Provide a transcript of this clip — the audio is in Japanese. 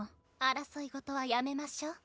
争いごとはやめましょう。